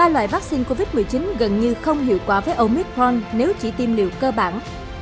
ba loại vaccine covid một mươi chín gần như không hiệu quả với omitforn nếu chỉ tiêm liều cơ bản